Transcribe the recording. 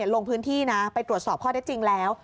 ลงพื้นที่นะไปตรวจสอบข้อได้จริงแล้ว